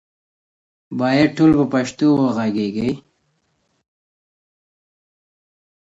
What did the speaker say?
ټولنیز ځواک د ټولنې له جوړښت نه بېلېږي.